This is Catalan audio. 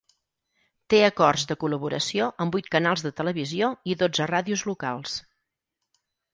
Té acords de col·laboració amb vuit canals de televisió i dotze ràdios locals.